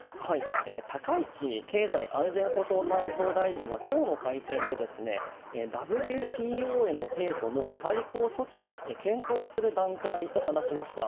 高市経済安全保障担当大臣が今日の会見で、ＷＴＯへの提訴も対抗措置として検討する段階と話しました。